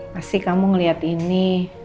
pasti kamu ngeliat ini